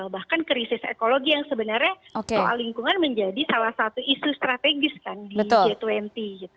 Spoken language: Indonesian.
bahkan krisis ekologi yang sebenarnya soal lingkungan menjadi salah satu isu strategis kan di g dua puluh gitu